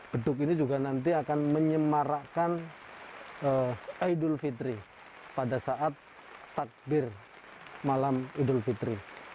beduk ini juga nanti akan menyemarakkan idul fitri pada saat takbir malam idul fitri